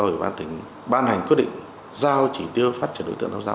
hội nghị ban hành kế hoạch truyền khai thực hiện những quyết này